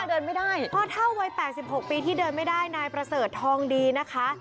เพราะเท่าวัย๘๖ปีที่เดินไม่ได้นายประเสริฐทองดีนะคะ